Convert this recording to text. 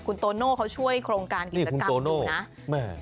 คุณโตโน่เขาช่วยโครงการกิจกรรมดูนะ